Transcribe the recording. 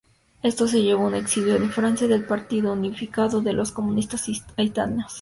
Esto llevó al exilio en Francia del Partido Unificado de los Comunistas Haitianos.